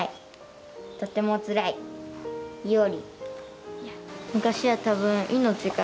『とてもつらい』伊織」。